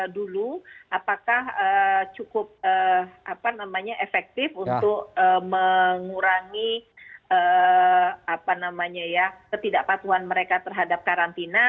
dulu apakah cukup efektif untuk mengurangi ketidakpatuan mereka terhadap karantina